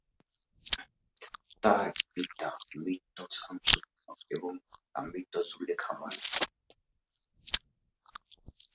তার পিতা মৃত সামসুল হক এবং মাতা মৃত জুলেখা বানু।